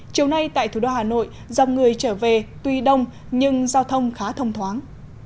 chiều nay tại thủ đô hà nội dòng người trở về tuy đông nhưng giao thông khá thông thoáng